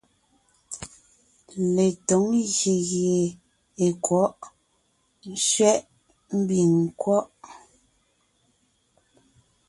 Letǒŋ ngyè gie è kwɔ̌ʼ ( sẅɛ̌ʼ mbiŋ nkwɔ́ʼ).